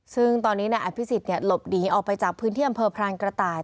ซึ่งตอนนี้นายอภิษฎหลบหนีออกไปจากพื้นที่อำเภอพรานกระต่าย